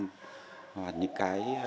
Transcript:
hoặc những cái